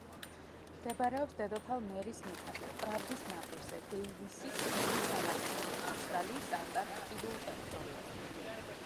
მდებარეობს დედოფალ მერის მიწაზე, პრავდის ნაპირზე, დეივისის ზღვის სანაპიროზე, ავსტრალიის ანტარქტიდულ ტერიტორიაზე.